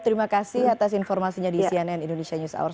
terima kasih atas informasinya di cnn indonesia news hour